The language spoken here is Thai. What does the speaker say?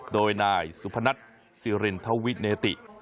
โดยนายสุพนัทสิรินทวิเนติ